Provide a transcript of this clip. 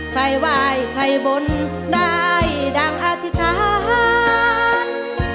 ใครว่ายใครบนได้ดังอธิษฐาน